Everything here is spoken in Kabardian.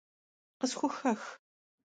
Къысхухэх!